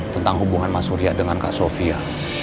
tentang hubungan mas surya dengan kak sofia